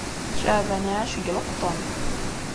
Ceεban iεac deg leqṭen.